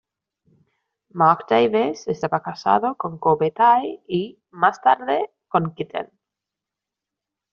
Mark Davis estaba casado con Kobe Tai y, más tarde, con Kitten.